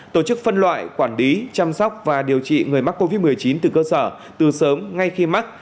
tổ chức phân loại quản lý chăm sóc và điều trị người mắc covid một mươi chín từ cơ sở từ sớm ngay khi mắc